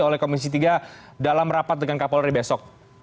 oleh komisi tiga dalam rapat dengan kapolri besok